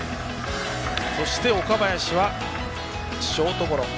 そして岡林はショートゴロ。